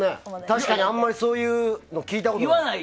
確かに、あまりそういうの聞いたことない。